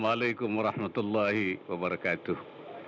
assalamualaikum warahmatullahi wabarakatuh